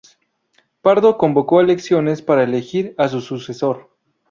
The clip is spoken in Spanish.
Pardo convocó a elecciones para elegir a su sucesor.